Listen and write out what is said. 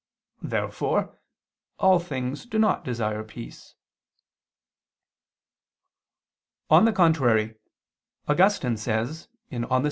Therefore all things do not desire peace. On the contrary, Augustine says (De Civ.